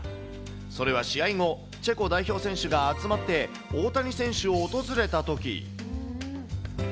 それは試合後、チェコ代表選手が集まって、大谷選手を訪れたとき。